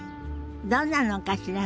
どんなのかしらね。